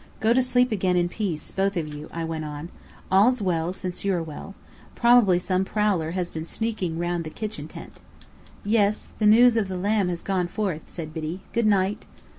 "Go to sleep again in peace, both of you," I went on. "All's well, since you are well. Probably some prowler has been sneaking round the kitchen tent." "Yes. The news of the lamb has gone forth!" said Biddy. "Good night!"